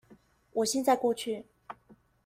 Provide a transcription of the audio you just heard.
我現在過去